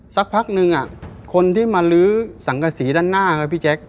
สักพักนึงคนที่มาลื้อสังกษีด้านหน้าครับพี่แจ๊ค